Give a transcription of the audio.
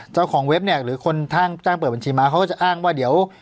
เว็บเนี่ยหรือคนทางจ้างเปิดบัญชีมาเขาก็จะอ้างว่าเดี๋ยว